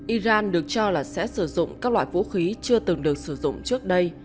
iran được cho là sẽ sử dụng các loại vũ khí chưa từng được sử dụng trước đây